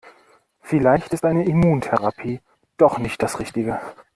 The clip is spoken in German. Vielleicht ist eine Immuntherapie doch nicht das Richtige.